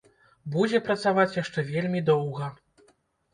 Будзе працаваць яшчэ вельмі доўга.